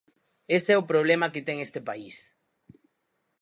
¡Ese é o problema que ten este país!